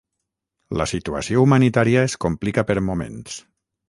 La situació humanitària es complica per moments.